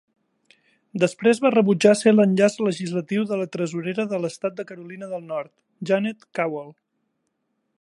Després va rebutjar ser l"enllaç legislatiu de la tresorera de l"estat de Carolina del Nord, Janet Cowell.